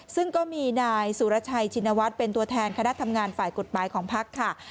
ซึ่งก็มีนายสุรชัยชินวัฒน์เป็นตัวแทนคณะทำงานฝ่ายกฎหมายของพักค่ะ